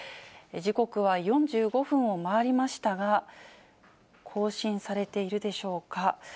時刻は４５分を回りましたが、更新されているでしょうか。